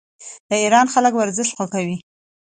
د ایران خلک ورزش خوښوي.